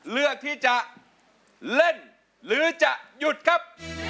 เลือกที่จะเล่นหรือจะหยุดครับ